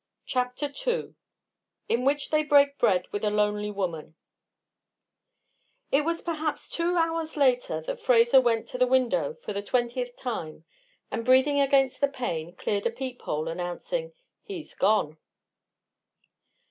CHAPTER II IN WHICH THEY BREAK BREAD WITH A LONELY WOMAN It was perhaps two hours later that Fraser went to the window for the twentieth time, and, breathing against the pane, cleared a peep hole, announcing: "He's gone!"